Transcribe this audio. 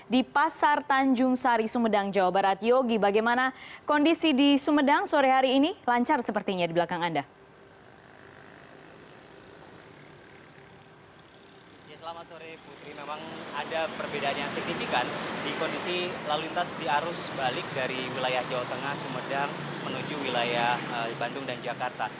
dari wilayah jawa tengah sumedang menuju wilayah bandung dan jakarta